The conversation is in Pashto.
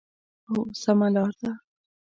هو، سمه لار ده